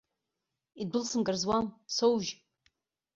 Идәылсымгар зуам, соужь!